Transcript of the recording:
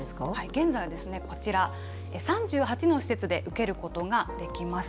現在はこちら、３８の施設で受けることができます。